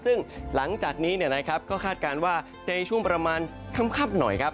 ซึ่งหลังจากนี้ก็คาดการณ์ว่าในช่วงประมาณค่ำหน่อยครับ